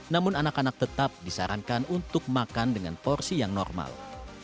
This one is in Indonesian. namun anak anak tetap disarankan untuk makan dengan porsi yang normal